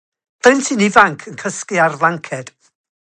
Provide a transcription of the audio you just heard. plentyn ifanc yn cysgu ar flanced.